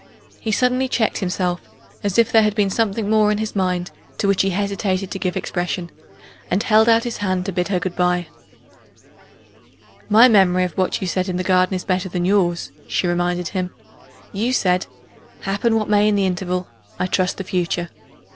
He suddenly checked himself, as if there had been something more in his mind to which he hesitated to give expression and held out his hand to bid her good by. "My memory of what you said in the garden is better than yours," she reminded him. "You said 'Happen what may in the interval, I trust the future.